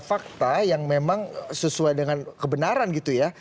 fakta yang memang sesuai dengan kebenaran gitu ya